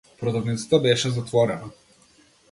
Продавницата беше затворена.